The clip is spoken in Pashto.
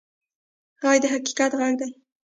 غږ د حقیقت غږ وي